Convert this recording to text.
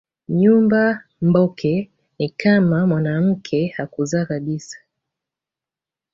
Nyumba mboke ni kama mwanamke hakuzaa kabisa